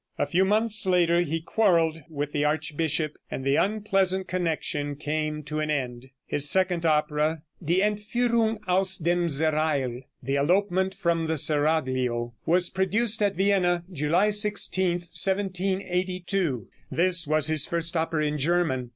A few months later he quarreled with the archbishop, and the unpleasant connection came to an end. His second opera, "Die Entführung aus dem Serail" ("The Elopement from the Seraglio"), was produced at Vienna July 16, 1782. This was his first opera in German.